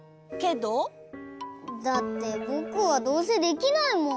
だってぼくはどうせできないもん。